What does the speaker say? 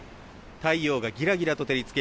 太陽がギラギラと照り付け